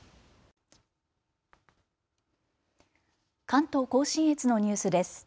関東甲信越のニュースです。